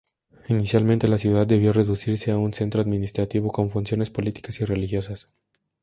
Inicialmente la ciudad debió reducirse a un centro administrativo con funciones políticas y religiosas.